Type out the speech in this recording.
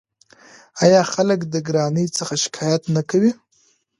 آیا خلک د ګرانۍ څخه شکایت نه کوي؟